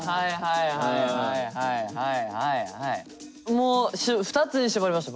もう２つに絞れました